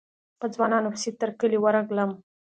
په ځوانانو پسې تر کلي ورغلم.